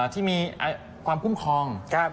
ที่มีความคุ้มครอง